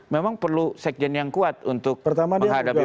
memang perlu sekjen yang kuat untuk menghadapi itu